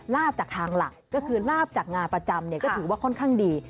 ลาบจากทางหลักก็คือลาบจากงานประจำก็ถือว่าค่อนข้างดี